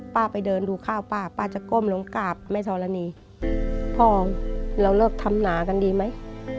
ไปเดินดูข้าวป้าป้าจะก้มลงกราบแม่ธรณีพ่อเราเลิกทำหนากันดีไหม